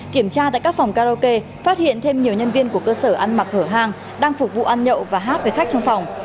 kiểm tra tại các phòng karaoke phát hiện thêm nhiều nhân viên của cơ sở ăn mặc hở hang đang phục vụ ăn nhậu và hát với khách trong phòng